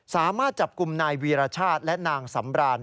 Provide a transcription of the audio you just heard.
สามารถจับกลุ่มนายวีรชาติและนางสำราน